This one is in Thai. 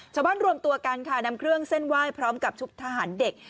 รวมตัวกันค่ะนำเครื่องเส้นไหว้พร้อมกับชุดทหารเด็ก